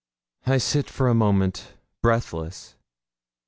I sit for a moment breathless.